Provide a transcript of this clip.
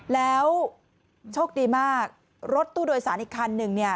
แล้วโชคดีมากรถตู้โดยสารอีกคันหนึ่งเนี่ย